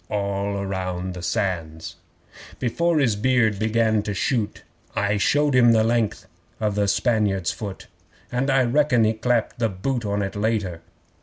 (All round the Sands!) 'Before his beard began to shoot, I showed him the length of the Spaniard's foot And I reckon he clapped the boot on it later.